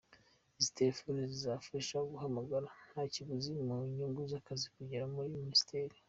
Izo telefoni zizabafasha guhamagara nta kiguzi mu nyungu z’akazi kugera muri Minisiteri.